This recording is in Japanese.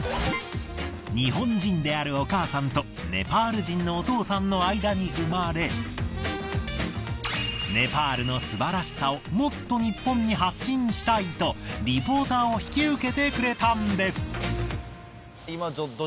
日本人であるお母さんとネパール人のお父さんの間に生まれネパールの素晴らしさをもっと日本に発信したいとリポーターを引き受けてくれたんです。